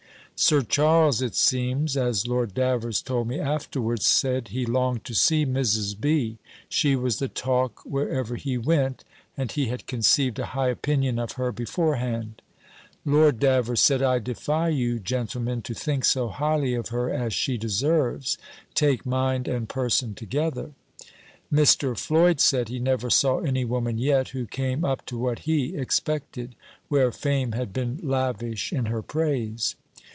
Sir Charles, it seems, as Lord Davers told me afterwards; said, he longed to see Mrs. B. She was the talk wherever he went, and he had conceived a high opinion of her beforehand. Lord Davers said, "I defy you, gentlemen, to think so highly of her as she deserves, take mind and person together." Mr. Floyd said, he never saw any woman yet, who came up to what he expected, where fame had been lavish in her praise.